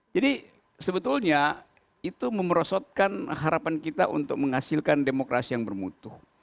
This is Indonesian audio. jadi sebetulnya itu merosotkan harapan kita untuk menghasilkan demokrasi yang bermutu